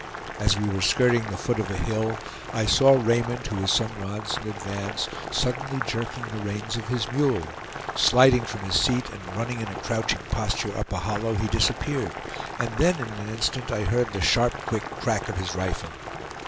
As we were skirting the foot of a hill I saw Raymond, who was some rods in advance, suddenly jerking the reins of his mule. Sliding from his seat, and running in a crouching posture up a hollow, he disappeared; and then in an instant I heard the sharp quick crack of his rifle.